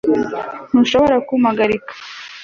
ntushobora kumpagarika